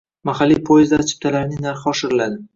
Mahalliy poyezdlar chiptalarining narxi oshiriladi.